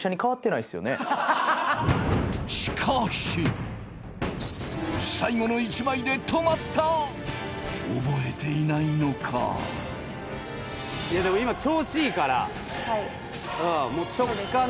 しかし最後の１枚で止まったオボエていないのかでも今調子いいからうん